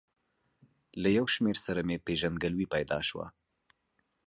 له یو شمېر سره مې پېژندګلوي پیدا شوه.